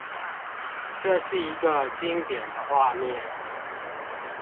這是一個經典的畫面